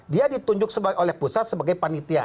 dia ditunjuk oleh pusat sebagai panitia